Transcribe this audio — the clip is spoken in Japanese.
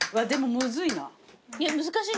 むずいね。